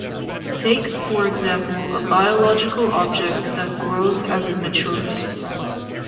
Take, for example, a biological object that grows as it matures.